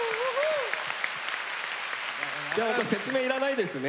説明いらないですね。